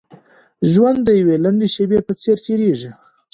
ژوند د يوې لنډې شېبې په څېر تېرېږي.